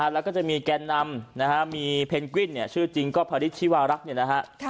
แล้วก็จะมีแกนนำมีเพนกวินชื่อจริงก็พระริชชิวารักษ์